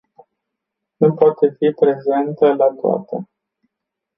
Nu poate fi prezentă la toate.